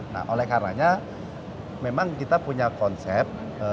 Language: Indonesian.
nah oleh karenanya memang kita punya konsep